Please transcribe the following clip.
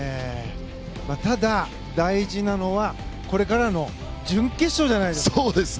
ただ、大事なのはこれからの準決勝じゃないですか。